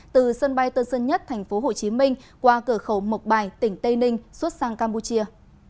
từ sân bay tân sơn nhất tp hcm qua cửa khẩu mộc bài tỉnh tây ninh xuất sang campuchia